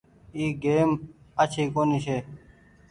اي گئيم آڇي ڪونيٚ ڇي۔